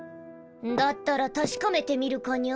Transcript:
だったら確かめてみるかニャ？